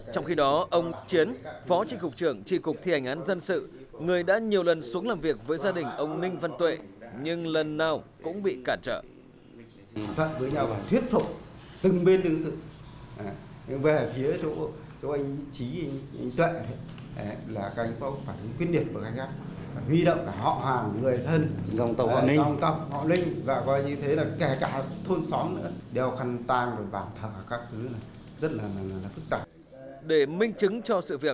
trong khi đó ông chiến phó trị cục trưởng trị cục thi hành án dân sự người đã nhiều lần xuống làm việc với gia đình ông ninh văn tuệ nhưng lần nào cũng bị cản trợ